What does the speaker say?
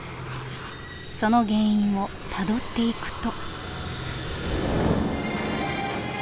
その原因をたどっていくと。